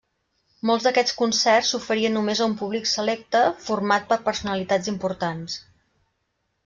Molts d'aquests concerts s'oferien només a un públic selecte format per personalitats importants.